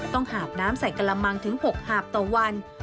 หาบน้ำใส่กระมังถึง๖หาบต่อวัน